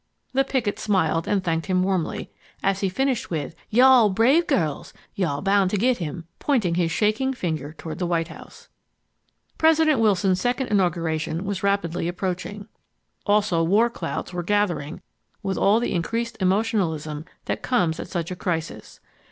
The picket smiled, and thanked him warmly, as he finished with, "You are brave girls. You are bound to get him"—pointing his shaking finger toward the White House. President Wilson's second inauguration was rapidly approaching. Also war clouds were gathering with all the increased emotionalism that comes at such a crisis.